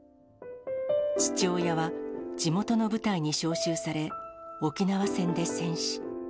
父親は地元の部隊に召集され、沖縄戦で戦死。